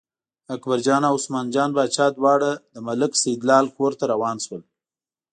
اکبرجان او عثمان جان باچا دواړه د ملک سیدلال کور ته روان شول.